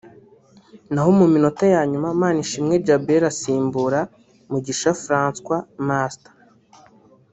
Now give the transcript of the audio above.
naho mu minota ya nyuma Manishimwe Djabel asimbura Mugisha François Master